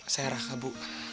saya arahkan bu